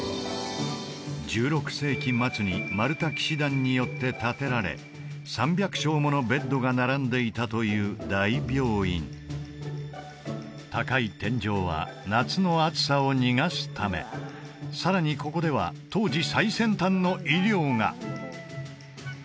１６世紀末にマルタ騎士団によって建てられ３００床ものベッドが並んでいたという大病院高い天井は夏の暑さを逃がすためさらにここでは当時最先端の医療が！